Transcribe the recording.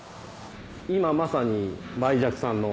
今まさに梅雀さんの。